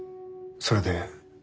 それで？